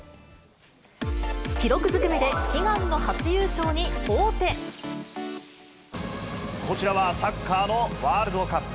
記録ずくめで悲願の初優勝にこちらはサッカーのワールドカップ。